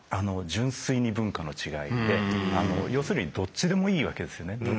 純粋に文化の違いで要するにどっちでもいいわけですよね。